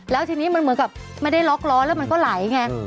แล้วทีนี้มันเหมือนกับไม่ได้ล็อกล้อแล้วมันก็ไหลไง